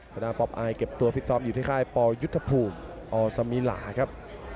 ดาป๊อปอายเก็บตัวฟิตซ้อมอยู่ที่ค่ายปยุทธภูมิอสมิลาครับ